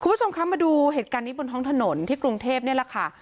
คุณผู้ชมคะมาดูเหตุการณ์นี้บนท้องถนนที่กรุงเทพนี่แหละค่ะ